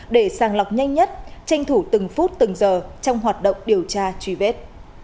để sàng lọc nhanh nhất tranh thủ từng phút từng giờ trong hoạt động điều tra truy vết